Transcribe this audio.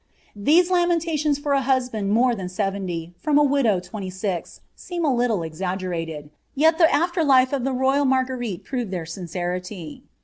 These lamentationa for a husband more than seventy, from a widow Iwenty six, seem a tilile exaggerated; yet the after>life of the tojt Marenerile proved their sincerity.